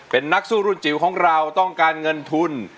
เป็นนักสู้รุ่นจิ๋วของเราต้องการเงินทุน